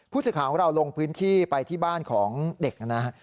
ผู้สื่อข่าวของเราลงพื้นที่ไปที่บ้านของเด็กนะครับ